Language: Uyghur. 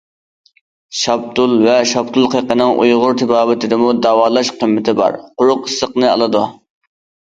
شاپتۇل ۋە شاپتۇل قېقىنىڭ ئۇيغۇر تېبابىتىدىمۇ داۋالاش قىممىتى بار، قۇرۇق ئىسسىقنى ئالىدۇ.